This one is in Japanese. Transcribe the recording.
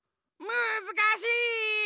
むずかしい。